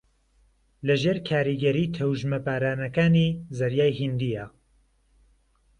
لەژێر کاریگەری تەوژمە بارانەکانی زەریای ھیندییە